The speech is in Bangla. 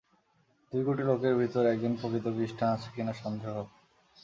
দুই কোটি লোকের ভিতর একজন প্রকৃত খ্রীষ্টান আছে কিনা সন্দেহ।